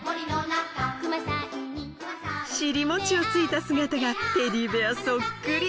尻もちをついた姿がテディベアそっくり！